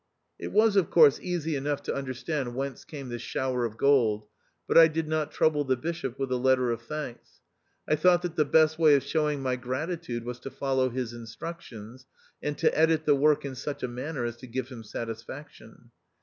It was of course easy enough to under THE OUTCAST. 233 stand whence came this shower of gold ; but I did not trouble the Bishop with a letter of thanks. I thought that the best way of showing ray gratitude was to follow his instructions, and to edit the work in such a manner as to give him satisfaction.